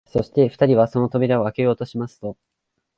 そして二人はその扉をあけようとしますと、